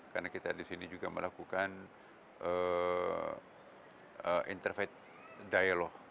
karena kita di sini juga melakukan intervate dialog